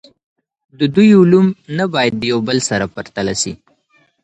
د دوی علوم نه باید د یو بل سره پرتله سي.